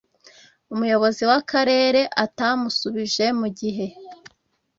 umuyobozi w akarere atamusubije mu gihe